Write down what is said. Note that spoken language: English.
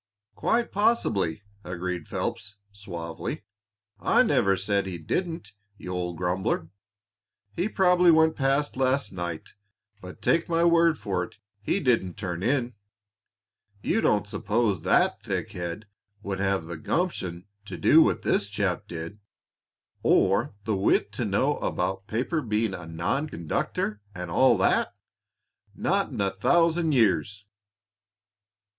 "Quite possibly," agreed Phelps, suavely. "I never said he didn't, you old grumbler. He probably went past last night, but take my word for it he didn't turn in. You don't suppose that thickhead would have the gumption to do what this chap did, or the wit to know about paper being a non conductor, and all that? Not in a thousand years!"